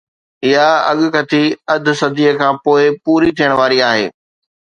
اها اڳڪٿي اڌ صديءَ کان پوءِ پوري ٿيڻ واري آهي.